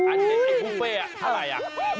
อันนี้บุฟเฟ่เท่าไหร่อ่ะ